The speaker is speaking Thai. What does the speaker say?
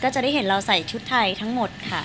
จะได้เห็นเราใส่ชุดไทยทั้งหมดค่ะ